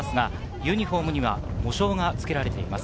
ユニホームには喪章が付けられています。